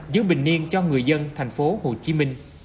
giữ bình yên cho người dân tp hcm